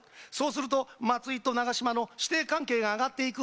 そうすると松井と長嶋の師弟関係が上がっていく。